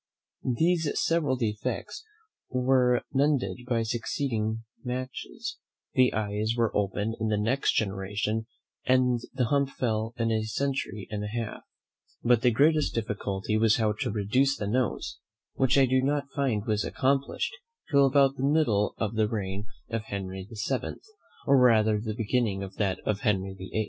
These several defects were mended by succeeding matches: the eyes were open in the next generation, and the hump fell in a century and a half, but the greatest difficulty was how to reduce the nose, which I do not find was accomplished till about the middle of the reign of Henry VII., or rather the beginning of that of Henry VIII.